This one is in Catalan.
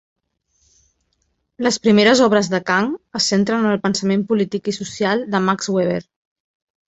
Les primeres obres de Kang es centren en el pensament polític i social de Max Weber.